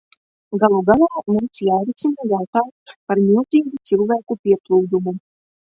Galu galā, mums jārisina jautājums par milzīgu cilvēku pieplūdumu.